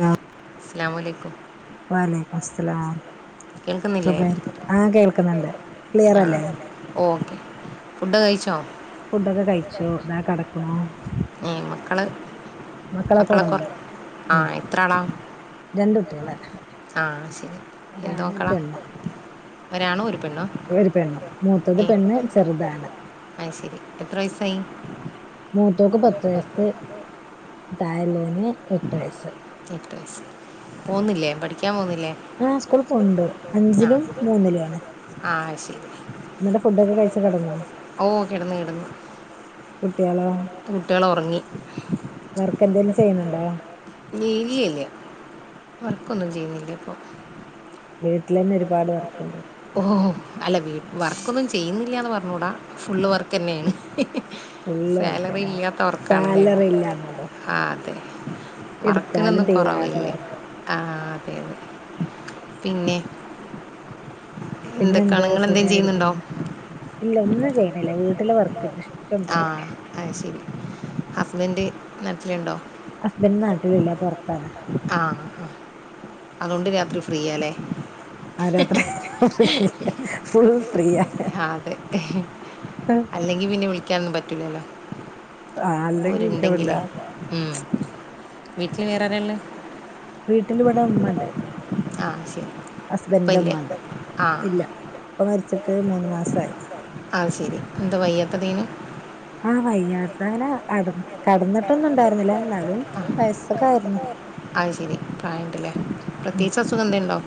ഹ അസ്സലാമലൈക്കും വ അലൈക്കുമുസ്സലാം കേൾക്കുന്നില്ലേ സുഖമായിരിക്കു ആഹ് കേൾക്കുന്നുണ്ട്. ആ ക്ലിയറല്ലേ? ഓക്കെ ഫുഡ് കയിച്ചോ? ഫുഡൊക്കെ കയിച്ചൂ. ഇതാ കെടക്കണൂ. മ് മക്കള് മക്കളൊക്കെ ഉറങ് ഉം എത്ര ആളാ? രണ്ട് കുട്ടികള് ആഹ് ശരി എന്തു ഒരാണും ഒരു മക്കളാ? പെണ്ണും ഒരാണും ഒരു പെണ്ണോ ഒരു പെണ്ണും. മൂത്തത് പെണ്ണ്, ചെറുതാണ്. അയ് ശരി. എത്ര വയസായി? മൂത്തോക്ക് പത്ത് വയസ്സ്. തായേ ഉള്ളൊന് എട്ട് വയസ്സ്. പോന്നില്ലേ പഠിക്കാൻ പോന്നില് ആ സ്കൂൾ പോകുണ്ട് അഞ്ചിലും മൂന്നിലും ആണ് ആ ശരി എന്നിട്ട് ഫുഡൊക്കെ കഴിച്ച് കെടന്നോ ഓ കിടന്ന് കിടന്ന് കുട്ടികളോ കുട്ടികള് ഉറങ്ങി വർക്ക് എന്തെങ്കലും ചെയ്യുന്നുണ്ടോ ഇീല്ലല്ലാ വർക്കൊന്നും ചെയ്യുന്നില്ലേ ഇ പ്പൊ വീട്ടിലന്നെ ഒരുപാട് വർക്കുണ്ട് ഓ അല്ല വർക്കൊന്നും ചെയ്യുന്നില്ലാന്ന് പറഞ്ഞ ട ഫുള്ള് വർക്ക് നെണ് ഫുള്ള് സാലറി വർക്കന്നെ ഇല്ലാത്ത വർക്കാനല്ലേ സാലറി ഇല്ലാന്നുള്ളു ആ [unintelligible] എടുത്താലും വർക്കിനൊന്നും തീരാത്ത കുറവില്ലാ വർക്ക് ആ പിന്നെ [unintelligible] പിന്നെ എന്തൊക്കെയാണ് എന്ത് നിങ്ങൾ എന്തെങ്കിലും ചെയ്യുന്നുണ്ടോ സുഖമായിരിക്കുന്നു ഇല്ല ഒന്നും ചെയ്യണില്ല വീട്ടില് വർക്ക് തന്നെ ആ അ ശരി ഹസ്ബൻഡ് നാട്ടിലുണ്ടോ ഹസ്ബൻഡ് നാട്ടിലില്ല പൊറത്താണ് ആ ആ അതുകൊണ്ട് രാത്രി ഫ്രീയല്ലേ ആ രാത്രി ഫുൾ ഫ്രീയാ ആ അതെ അല്ലെങ്കിൽ പിന്നെ വിളിക്കാനൊന്നും പറ്റൂലല്ലോ ആ അല്ലെങ്കി വിളിക്കാൻ പറ്റില്ല ഒരുണ്ട്ങ്കിലേ ഉം വീട്ടിൽ വേറെ ആരാ ഉള്ള വീട്ടിലി ഇവിടെ ഉമ്മണ്ട് ആ ശരി ഇപ്പം ഹസ്ബൻഡന്റെ ഇല്ലേ ഉമ്മണ്ട് ആ ഇല്ല ഇപ്പ മരിച്ചിട്ട് മൂന്ന് മാസയി അ ശെരി എന്താ വയ്യാത്ത തീനു ആ വയ്യാത്ത അങ്ങനെട കടന്നിട്ടൊന്നും ഇണ്ടായിരുന്നില്ല എന്നാലും ആ വയസൊക്കെ ആയിരുന്നു അത് ശെരി പ്രായണ്ടല്ലേ ഉം പ്രത്യേകിച്ച് അസുഖം എന്ത ഉണ്ടോ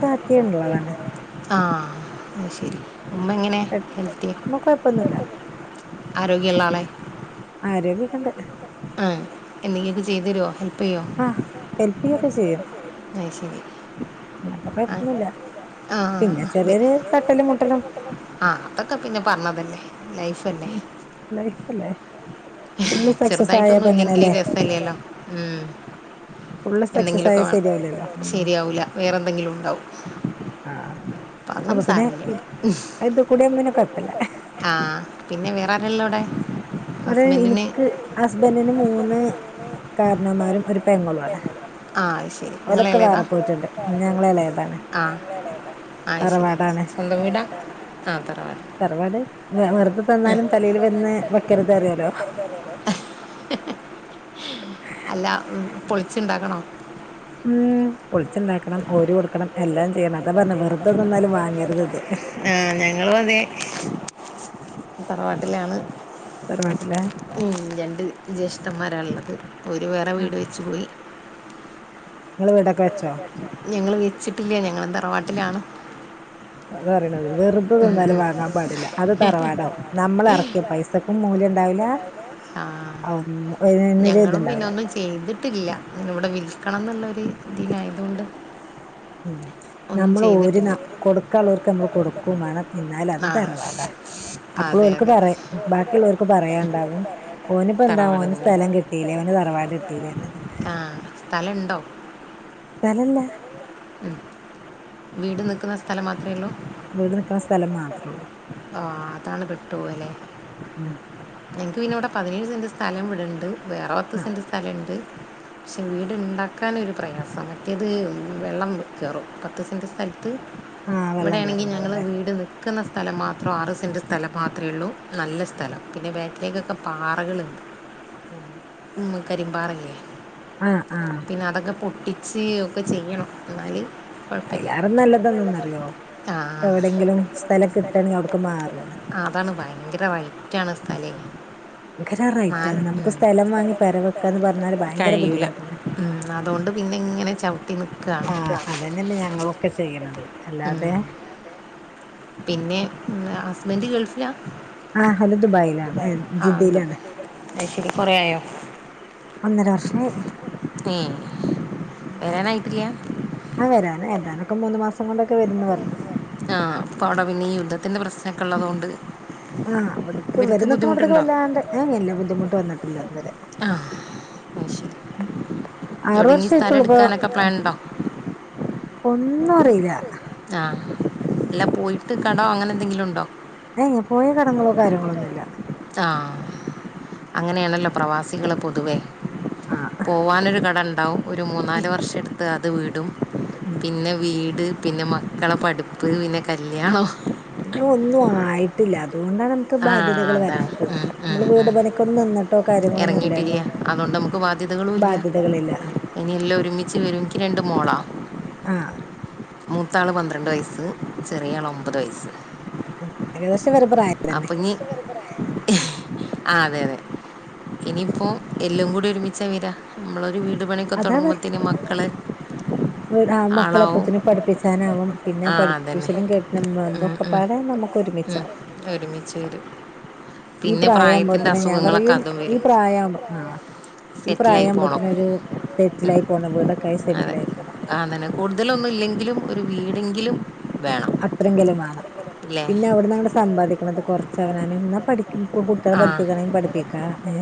ത്തിണ്ടള്ളതാണ് [unintelligible] ആ അ ശരി ഉമ്മ എങ്ങനെയാ ഹെൽത്തിയ കുഴപ്പൊന്നുല്ല ആരോഗ്യ ഉള്ളാളെ ആരോഗ്യക്കെ ഉണ്ട് ആ എന്തെങ്കിലൊക്കെ ചെയ്തു തരുമോ ഹെൽപ്പ് ചെയ്യോ ആ ഹെൽപ്പ് ചെയ്യ ഒക്കെ ചെയ്യും അയ്ശരി അങ്ങനത്തെ ആ കൊഴപ്പൊന്നുല്ല ആ ആ ചെറിയൊരു തട്ടലും മുട്ടലും ആ അതൊക്കെ പിന്നെ പറഞ്ഞതലേ ഉം നൈസല്ലേ ചെറുതായിട്ടൊന്നും ഇല്ലെങ്കില് രസല്ലേല്ലോ ഉം ഫുള്ള് സക്സസ് ആയ എന്തെങ്കിലുമൊക്കെ വേണം ശരിയാവില്ലല്ലോ ഉം ശരിയാവൂല വേറെ എന്തെങ്കിലും ഉണ്ടാവും ആ പ്പ അതൊന്നും സാരയില്ല കൂടിയ പിന്നെ കൊഴപ്പല്ല ആ പിന്നെ വേറ വെല്ലോടെ ഇവിടെ എണിക്ക് ഹസ്ബൻറിന് മൂന്ന് കാരണന്മാരും ഒരു പെങ്ങളു വാണ് ആ ശരി നിങ്ങള് എളേതാ ഞങ്ങള് എളയതാണ് ആ ആയ്ശരി തറവാടാണ് സ്വന്തം വീടാ ആ തറവാട് തറവാട് വെ ആഹ് വെറുതെതന്നാലും തലയിൽ വെന്നെ വെക്കരുത് അറിയാലോ അല്ല പൊളിച്ചുണ്ടാക്കണോ ഉം പൊളിച്ചുണ്ടാക്കണം ഓഹരി കൊടുക്കണം എല്ലാം ചെയ്യണം അതാ പറഞ്ഞെ വെറുതെ തന്നാലും വാങ്ങരുത് ഇത് ആഹ് ഞങ്ങളും അതെ തറവാട്ടിലാണ് തറവാട്ടിലെ ഉം രണ്ട് ജ്യേഷ്ഠന്മാരാ ഉള്ളത് ഓരു വേറെ ആഹ് വീട് വെച്ചു പോയി നിങ്ങള് വീടൊക്കെ വെച്ചോ ഞങ്ങള് വെച്ചിട്ടില്ല ഞങ്ങളും തറവാട്ടിലാണ് വെറുതന്താലും വാങ്ങാൻ പാടില്ല അത് തറവാടാവും നമ്മളെറക്കിയ പൈസക്കും മൂല്യം ഉണ്ടാവില്ല ആ ഒന്ന് ഒന്നിനും ഞങ്ങളും പിന്നെ ഇതുണ്ടാവില്ല ഒന്നും ചെയ്തിട്ടില്ല ഇവിടെ വിൽ ക്കണംന്നൊളേളാര് ഇതിലായതുകൊണ്ട് ഉം ഒന്നും നമ്മള് ഒരു ന ചെയ്തിട്ടില്ല കൊടുക്കാള്ള വർക്ക് നമ്മള് കൊടുക്കും വേണം എന്നാല് അത് ആ തറവാടാ അപ്പോൾ അതെ ഓൽക്ക് അതെ പറ ബാക്കിയുള്ളവർക്ക് പറയാണ്ടാവും തറവാടന്നെ അന് തറവാട് എത്തീലെന്ന് ത്തൗ സ്ഥലല്ല വീട് നിൽക്കുന്ന സ്ഥലം മാത്രമേ ഉള്ളൂ വീട് നിക്കണ സ്ഥലം മാത്രേ ഉള്ളൂ ആ അതാണ് പെട്ടുപോകല്ലേ മ് ഞങ്ങൾക്ക് പിന്നെ ഇവിടെ പതിനേഴ് സെന്റ്‌ സ്ഥലം ഇവിടെ ഉണ്ട് വേറെ പത്ത് ആ സെന്റ് സ്ഥല ഇണ്ട് പക്ഷെ വീടുണ്ടാക്കൻ ഒരു പ്രയാസം മറ്റേത് വെള്ളം കേറും പത്ത് സെന്റ് സ്ഥലത്ത് ആ വെള്ളം ഇവിടെയാണെങ്കിൽ ഞങ്ങള് കേറുണ്ടാവൂല്ലേ വീട് വെ വക്കുന്ന സ്ഥലം മാത്രം ആറ് സെന്റ് സ്ഥലം മാത്രമേ ഉള്ളൂ നല്ല സ്ഥലം പിന്നെ ബേക്കിലേക്കൊക്കെ പാറകളുണ്ട് [unintelligible] നമ്മ കരിമ്പാറയില്ലേ ആ ആ ഇച്ച് ഒക്കെ ചെയ്യണം എന്നാല് അയിലാറും നല്ലതന്നന്ന് അറിയോ ആ എവിടെയങ്കിലും സ്ഥലം കിട്ടണെ അവിടക്ക് മാറുവാണ് അതാണ് ഭയങ്കര റേറ്റാണേ സ്ഥലേ ഭയങ്കര റൈറ്റ് നാല് ആണ് നമുക്ക് ഉം. സ്ഥലം വാങ്ങി പെരവെക്കാന്ന് പറഞ്ഞാല് ഭയങ്കര കഴിയൂല ബുദ്ധിമുട്ടണ്ട് ഉം അതുകൊണ്ട് പിന്നെ ഇങ്ങനെ ചവിട്ടി നിക്കാണ് അതന്നല്ലേ ഞങ്ങളൊക്കെ ചെയ്യണത് അല്ലാതെ പിന്നെ ഹസ്ബൻഡ് ഗൾഫിലാ ആ ഹലോ ദുബായിലാണ്ഏ ജിദ്ദയിലാണ്. അ ശരി കുറയയോ. ഒന്നര വർഷമായി. വരാനായിട്ടില്ല ആ വരാണ് എന്താലൊക്കെ മൂന്ന് മാസം കൊണ്ട ആഅപ്പ അവിടെ പിന്നെ യുദ്ധത്തിന്റെ പ്രസ്നക്കെ ഉള്ളതോണ്ട്. ആ അവിടക്ക് വരുന്നക് വല്ലാണ്ടെ ല്ല ബുദ്ധിമുട്ട് വന്നിട്ടില്ല അതുവരെ. ആ ശരി ആറ് എവിടെങ്കി വർഷായിട്ടുള്ളൂ സ്ഥലം ഇപ്പൊ ഇട്ക്കാനൊക്കെ പ്ലാൻണ്ടോ? ഒന്നും അറില്ല. ആ എല്ലാ പോയിട്ട് കടോ അങ്ങനെ എന്തെങ്കിലും ഉണ്ടോ? ഏ പോയ കടങ്ങളോ കാര്യങ്ങളോ ഒന്നുഇല്ല. ആ അങ്ങനെയാണല്ലോ പ്രവാസികള് പൊതുവേ. ആഹ് പോവാനൊരു കട ഉണ്ടാവും ഒരു മൂന്നാല് വര്ഷ എടുത്ത് അത് വീ, ട്ടും ഉം പിന്നെ വീട് പിന്നെ മക്കളെ പഠിപ്പ് പിന്നെ കല്യാണം പിന്നെ ഒന്നും ആയിട്ടില്ല അ അതുകൊണ്ടാണ് നമുക്ക് ആ ബാധ്യതകൾ അതാണ് വരാത്തത് ഉം, ഉം, നമ്മൾ വീട് ഉം. പണിക്കൊന്നും നിന്നിട്ടോ കാര്യങ്ങളൊന്നും ഇറങ്ങിയിട്ടില്ല ഇല്ലല്ലോ. അതുകൊണ്ട് നമുക്ക് ബാധ്യതകളും ഇല്ല ബാധ്യതക ളില്ല. ഇനി എല്ലാം ഒരുമിച്ച് വരുമ ഇൻക്ക്ക് രണ്ട് മോളാ. ആ മൂത്താള് പന്ത്രണ്ട് വയസ്സ് ചെറിയ ആൾ ഒമ്പത് വയസ്സ്. ഏകദേശം ഇവരെ പ്രായം തന്നെ അപ്പൊഞ്ഞി ഹ് ആ അതെ അതെ ഇനിയിപ്പോൾ എല്ലാം കൂടി ഒരുമിച്ചാ വെരാ നമ്മളൊരു വീട് ഒരു പണികെ അതവർ തോടങ്ങുമ്പോതിന് മക്കള്. ആ ആളാവും മക്കളെപ്പത്തിനന് പഠിപ്പിച്ചാനാവും പിന്നെ ആ അതന്നെ പഠിപ്പിച്ചലും ക്കെട ഇതൊക്കെ പാടെ നമുക്ക് ഒരുമിച്ചാവും. ഒരുമിചുവരും ഈ പ്രായം ആവുമ്പോത്തിന് ഞാൻ പറയും അതും ഈ വരും പ്രായം ആഹ് ഈ സെറ്റിലായി പോകണം പ്രയാവുമ്പോത്തിനൊരു സെറ്റിൽ ഉം, ആയി പോണം വീടക്കൊയി സെറ്റിൽ അതെ ആയിരിക്കണം ആ അങ്ങനെ കൂടുതലൊന്നും ഇല്ലെങ്കിലും ഒരു വീടെങ്കിലും. വേണം അത്രങ്കിലുവാണം ഇല്ലേ പിന്നെ അവിട്ന്നാണ്ട് സമ്പാദിക്ണത് കൊറച്ച് അവനാന് ന്ന പഠിക് ഇപ്പൊ കുട്ടിയാളെ ആ പഠിപ്പിക്കണങ്ങി പഠിപ്പിക്കാ. ഏ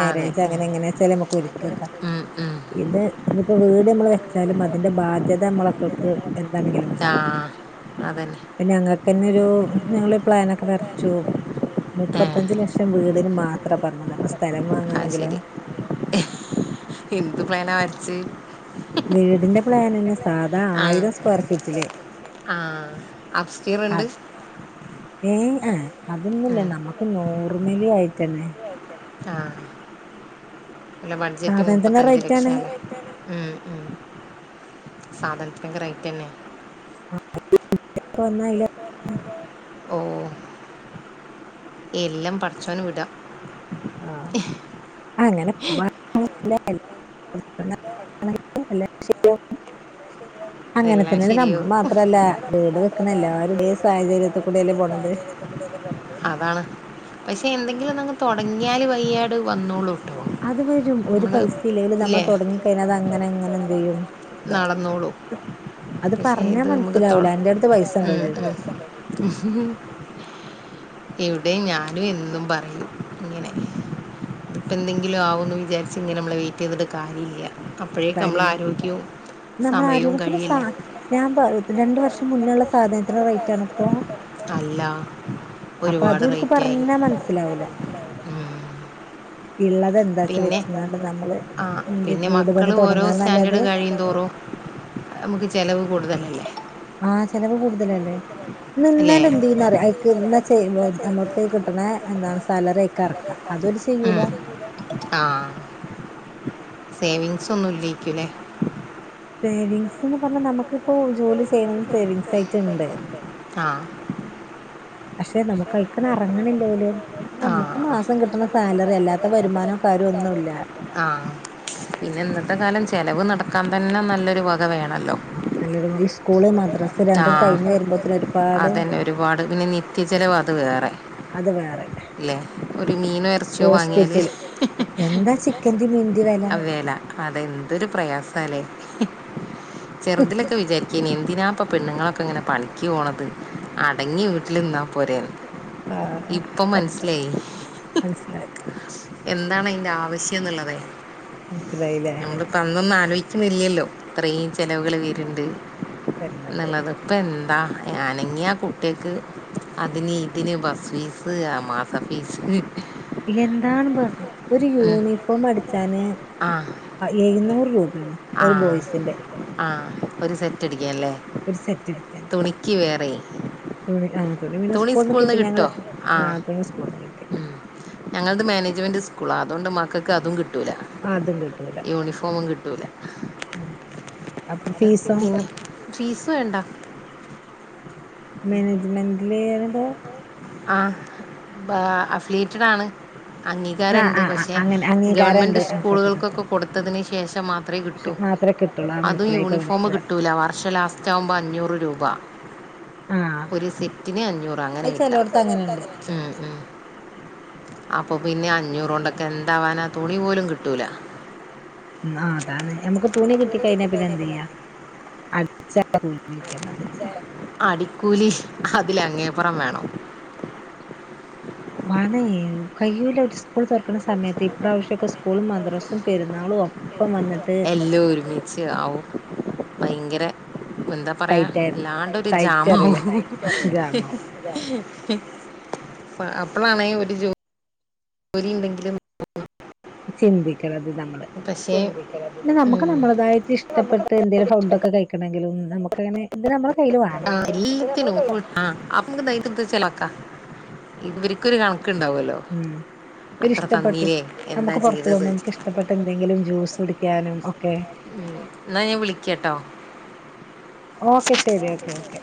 ആ, അതെ ഉം, അങ്ങനെ എങ്ങനെച്ചാല് നമുക്ക് ഒരുകി വെക്കാ ഉം, ഉം. ഇത്. ഇപ്പൊ വീട് മ്മള് വെച്ചാലും അതിന്റെ ബാധ്യത മ്മളെ മക്കക്ക് എന്താണെങ്കിലും ആ ഉണ്ടാവും. അതന്നെ ഞങ്ങക്കന്നൊരു ഞങ്ങള് പ്ലാനൊക്കെ വരച്ചു ഏ മുപ്പത്തഞ്ച് ലക്ഷം വീടിന് മാത്ര പറഞ്ഞത് അപ്പൊ സ് ആഹ് ശരി എന്ത് പ്ലാന വരച്ച് വീടിന്റെ പ്ലാനന്നെ സാധാ ആ ആയിരം സ്ക്വയർ ഫീറ്റില് ആ അപ്സ്കീർ ആ. ഉണ്ട് ഏയ് ആഹ് അതൊന്നുല്ല ഉം. നമ്മക്ക് നോർമലി ആയിട്ടന്നെ. ആ അല്ല ബഡ്ജറ്റ് സാധനത്തിന്റെ മുപ്പത്തഞ്ച് റേറ്റ് ആണ് ലക്ഷാണ് ഉം ഉം സാധനത്തിനൊക്കെ റേറ്റ്ന്നെ [unintelligible] ഓ. എല്ലാം പടച്ചോന് വിടാ. ആഹ് അങ്ങനെ. [unintelligible] ല്ല [unintelligible] എല്ലാം അങ്ങനെത്തന്നെലെ നമ്മൾ ശരിയാവും മാത്രല്ല വീട് വെക്ക്ണ എല്ലാ രേ സാഹചര്യത്തികൂടെല്ലേ പോണത്. അതാണ് പക്ഷെ എന്തെങ്കിലുംനങ്ങ് തൊടങ്ങിയാല് വയ്യാട് വന്നോളൂ. കേട്ടോ അത് വരും ഒരു നമ്മൾ പൈസ ഇല്ലേലും നമ്മൾ ഇല്ലേ തുടങ്ങി കഴിഞ്ഞാത് അങ്ങനെ അങ്ങനെ എന്ത്യ്യും ഇതാവും. പഷേ ഇത് മ്മക്ക് തൊ എന്റെ അടുത്ത് പൈസ ഉണ്ടോ ഉം ചോദിക്കും ഉം ഇവ്ടെ ഞാനും എന്നും പറയും ഇങ്ങനെ ഇതിപ്പ എന്തെങ്കിലും ആവുംന്ന് വിചാരിച്ച് ഇങ്ങനെ മ്മള് വെയിറ്റ്യ്തിട്ട് കാര്യല്ല കാര്യല്ല നമ്മള് സമയവും ആരോഗ്യത്തിന് സ കഴിയില്ലേ ഞാൻ പ രണ്ട് വർഷ മുന്നെള്ളെ സാധനത്തിന് റേറ്റ് ആണോ ഇപ്പോ അല്ല അപ്പ ഒരുപാട് അതൊൽക്ക് റേറ്റായി പറഞ്ഞാ മനസ്സിലാവൂല ഉം. ഇള്ളത് എന്താച്ച പിന്നെ വെച്ചങ്ങാണ്ട് നമ്മള് ആ എന്ത് പിന്നെ വീട് പണി മക്കള് ഓരോ സ്റ്റാൻഡേർഡ് തുടങ്ങാന്നല്ലാതെ കഴിയും തോറും അമക്ക് ചെലവ് കൂടുതലല്ലേ ആഹ് ചെലവ് കൂടുതലല്ലേ അല്ലേ നിന്നാല് എന്തില്റിയൊ അയിക്ക് ന്നാ ചെയ്യുമ്പോ ഞമ്മക്ക് കിട്ട്ണ എന്താ സാലറി അയിക്ക് എറക്കാ അത് ഓല് ചെയ്യൂല ഉം. ആ സേവിങ്സ് ഒന്നുംല്ലയിക്കുലെ സേവിങ്ങ്സ്ന്ന് പറഞ്ഞ നമുക്കിപ്പോ ജോലി ചെയ്യ്ണത് സേവിങ്ങ്സ് ആയിട്ട്ണ്ട് ആ പഷേ നമുക്ക് അയ്ക്ക് എറങ്ങണില്ല ഓല് ആ നമ്മക്ക് മാസം കിട്ട്ണ സാലറി അല്ലാത്ത വരുമാനോ കാ ആഹ് പിന്നെ ഇന്നത്തെ കാലം ചെലവ് നടകാൻ തന്നെ നല്ലൊരു വക വേ ണല്ലോം നല്ലൊരു ഈ സ്കൂള് മദ്രസ് രണ്ടും ആഹ് കഴിഞ്ഞ് വരുമ്പോത്തിന് ഒരുപാട് അതന്നെ ഒരുപാട് പിന്നെ നി ത്യ ചെലവ് അത് വേറെ അത് വേറെ ല്ലേ ഒരു മീനൊ ഇറച്ചിയൊ വാങ്ങിയാല് ഹോസ്പിറ്റല് എന്താ ചിക്കന്റേം മീന്റേം വെല അവേല അതെ എന്തൊരു പ്രയാസല്ലേ ചെറുതിലൊക്കെ വിചാരിക്കാനി എന്തിനാ പ്പ പെണ്ണുങ്ങളൊക്കെ ഇങ്ങനെ പണിക്ക് പോണത് അടങ്ങി വീട്ടിൽ നിന്നാ പോരെന്ന് ആഹ് ഇപ്പൊ മന്സിലായി മനസ്സിലായി എന്താണ് അയിന്റെ ആവശ്യം എന്ന്ള്ളതെ മനസ്സിലായില്ലേ നമ്മളിപ്പ അന്നൊന്നും ആലോയിക്കിണില്ലല്ലോ ഇത്രയും ചെലവുകൾ വര്ണ്ട് വരുന്നുണ്ട്ന്ന് എന്ന്ള്ളത്, ഇപ്പോന്താ അനങ്ങിയാ കുട്ടിയക്ക് അതിന്, ഇതിന് ബസ് ഫീസ് മത ഫീസ് എന്താണ്, ബസ് ഒരു യൂണിഫോം അടിച്ചാന് ആ ആയി എഴുന്നൂറ് രൂപാണ്, ആ ഒരു ബോയ്സിന്റെ. ആ ഒരു, സെറ്റ്, അടിക്കാനല്ലേ ഒരു സെറ്റ് എടുക്കാന് തുണിക്ക് വേറെ തുണി, ആ തുണി പിന്നെ സ്കൂള്ന്ന് സ്കൂളിൽ നിന്ന് കിട്ടി, ഞങ്ങള് കിട്ടോ ആ തുണി സ്കൂള്ന്ന് കിട്ടി. ഉം. ഞങ്ങളത്, മാനേജ്മെന്റ് സ്കൂളാ അതൊണ്ട് മകക്ക് അതും കിട്ടൂല അതും കിട്ടൂല യൂണിഫോമും കിട്ടൂല. അപ്പ് [unintelligible] ഫീസ് വേണ്ട മാനേജ്മെന്റില് ഏതോ ആ ബ [unintelligible] ആണ് ആ അംഗീകരണ്ട്, ആ ആ പക്ഷേ അങ്ങനെ ഗവൺമെന്റ് അംഗീകാരണ്ട് ആ ഷോപ്പ് ഷോപ്പ് സ്കൂളുകൾക്കൊക്കെ, കൊടുത്തതിന് ശേഷം മാത്രേ പക്ഷെ കിട്ടൂ. മാത്രമേ കിട്ടുള്ളൂ ആ അതും, മനസ്സിലായി ഇപ്പ യൂണിഫോംമ് മനസ്സിലായി കിട്ടൂല വർഷം ലാസ്റ്റ് ആവുമ്പ അഞ്ഞൂറ് രൂപ ആഹ് ഒരു സെറ്റിന് അഞ്ഞൂറ് അങ്ങനെ അത് കിട്ട ചെലോടത്ത് ചേലോടത് അങ്ങനെണ്ട് അങ്ങനെയാണ്. ഉം ഉം അ അപ്പ, പിന്നെ അഞ്ഞൂറ്, കൊണ്ടൊക്കെ എന്താവാനാ തുണി പോലും കിട്ടില്ല. ഇന്നാ ആ അതാണ് ഞമ്മക്ക് തുണി കിട്ടികയിഞ്ഞാ പിന്നെ എന്തിയ അടിച്ചാ [unintelligible] കൂലി, അതില് അങ്ങേപ്പറം വേണം. വണ്ണേ, കയ്യൂല ഒര് സ്കൂള് തൊറക്ക്ണ സമയത്ത് ഇപ്രാവശ്യവൊക്കെ സ്കൂളും, മദ്രസും, പെരുന്നാളും, ഒ എല്ലൊം, ഒരുമിച്ചാവും. ഉം ഭയങ്കര എന്താപറയാ, ടൈറ്റ് ആയിരുന്നു വല്ലണ്ടൊരു ടൈറ്റ് അറിയില്ലേ ജമാവും. ജാമാവും [unintelligible] അ അപ്പളാണെ ഒര് ജോലി ണ്ടെങ്കിലും ചിന്തിക്കണത്, [unintelligible] പിന്നെ, നമുക്ക് ഉം നമ്മളതായിട്ട് ഇഷ്ടപ്പെട്ട് എന്തെങ്കിലും. ഫൗണ്ട ഒക്കെ കഴിക്കണേ ങ്കിലും നമുക്കങ്ങനെ - [unintelligible] ആ [unintelligible] ക്ക, ഇവരിക്കൊരു കണക്കുണ്ടാവല്ലോ. ഒരു, ഇഷ്ടപ്പെട്ട് നമുക്ക് പുറത്തുപോകുബോ, നമുക്ക് ഇഷ്ടപ്പെട്ട, എന്തെങ്കിലും ജ്യൂസ് കുടിക്യാനും. ഉം, എന്നാ ഞൻ വിളിക്കട്ടോ. ഓക്കെ ശെരി, ഓക്കെ, ഓക്കെ